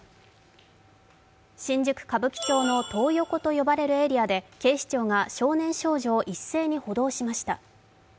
新宿歌舞伎町のトー横と呼ばれるエリアで警視庁が少年少女を一斉に補導しました。